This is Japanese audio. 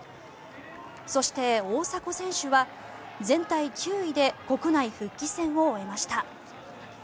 そして、大迫選手は全体９位で国内復帰戦を終えました。